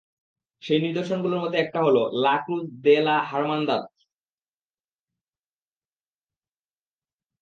সেই নিদর্শনগুলোর মধ্যে একটা হলো লা ক্রুজ দে লা হার্মানদাদ।